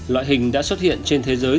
loại hình đã xuất hiện trên thế giới